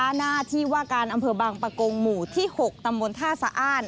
หน้าที่ว่าการอำเภอบางปะโกงหมู่ที่๖ตำบลท่าสะอ้าน